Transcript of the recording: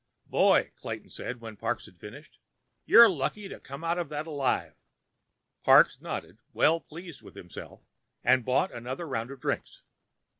"Boy," Clayton said when Parks had finished, "you were lucky to come out of that alive!" Parks nodded, well pleased with himself, and bought another round of drinks.